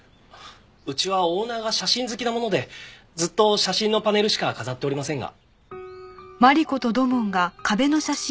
うちはオーナーが写真好きなものでずっと写真のパネルしか飾っておりませんが。